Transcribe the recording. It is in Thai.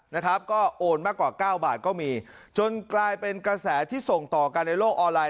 นะครับก็โอนมากกว่าเก้าบาทก็มีจนกลายเป็นกระแสที่ส่งต่อกันในโลกออนไลน